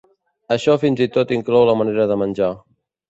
Això fins i tot inclou la manera de menjar.